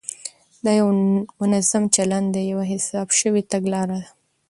دا یو منظم چلند دی، یوه حساب شوې تګلاره ده،